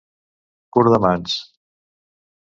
Curt de mans.